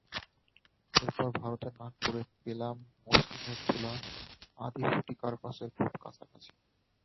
এরপর ভারতের নাগপুরে পেলাম মসলিনের তুলা, আদি ফুটি কার্পাসের খুব কাছাকাছি।